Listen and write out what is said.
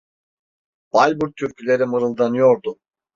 Bayburt türküleri mırıldanıyordu.